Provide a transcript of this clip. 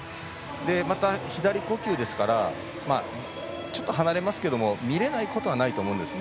また、左呼吸ですからちょっと離れますけど見れないことはないと思うんです。